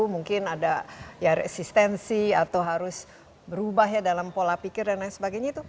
mungkin ada ya resistensi atau harus berubah ya dalam pola pikir dan lain sebagainya itu